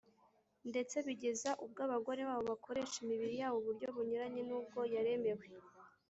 ndetse bigeza ubwo abagore babo bakoresha imibiri yabo uburyo bunyuranye n’ubwo yaremewe.